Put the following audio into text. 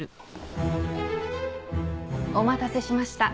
お待たせしました